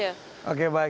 oke baik terima kasih desi